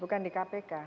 bukan di kpk